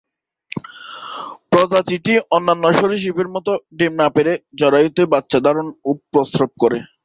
প্রজাতিটি অন্যান্য সরীসৃপের মত ডিম না পেড়ে জরায়ুতে বাচ্চা ধারণ ও প্রসব করে।